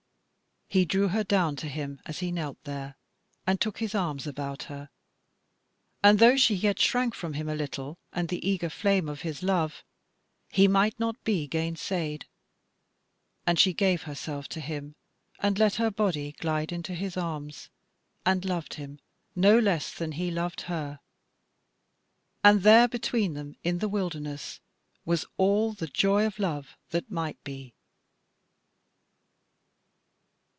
He drew her down to him as he knelt there, and took his arms about her, and though she yet shrank from him a little and the eager flame of his love, he might not be gainsayed, and she gave herself to him and let her body glide into his arms, and loved him no less than he loved her. And there between them in the wilderness was all the joy of love that might be.